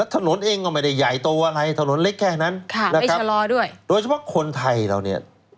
ถนนเองก็ไม่ได้ใหญ่โตอะไรถนนเล็กแค่นั้นโดยเฉพาะคนไทยเราเนี่ย